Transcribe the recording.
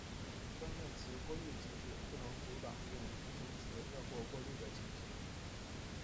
关键词过滤机制不能阻挡用同形词绕过过滤的情形。